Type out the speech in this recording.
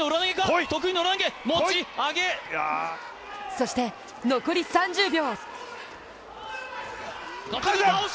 そして残り３０秒。